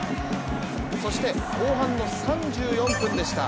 そして、後半の３４分でした。